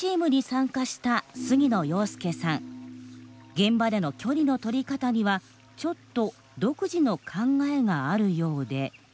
現場での距離の取り方にはちょっと独自の考えがあるようで。